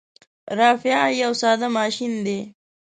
رافعه یو ساده ماشین دی.